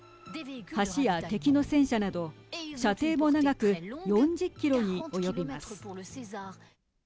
橋や敵の戦車など射程も長く４０キロに及びます。